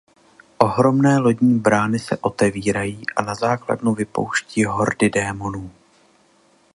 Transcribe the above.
Ohromné lodní brány se otevírají a na základnu vypouští hordy démonů.